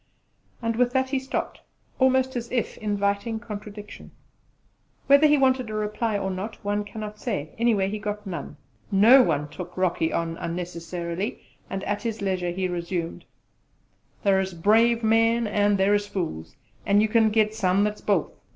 And with that he stopped, almost as if inviting contradiction. Whether he wanted a reply or not one cannot say; anyway, he got none. No one took Rocky on unnecessarily; and at his leisure he resumed: "Thar's brave men; an' thar's fools; an' you kin get some that's both.